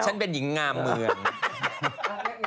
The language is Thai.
ฉันเป็นหญิงงามเมือง